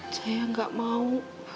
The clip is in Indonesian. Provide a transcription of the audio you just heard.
saya gak mau